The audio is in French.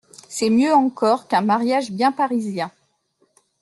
C'est mieux encore qu'un mariage bien parisien.